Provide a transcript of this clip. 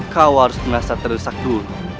kau harus merasa terdesak dulu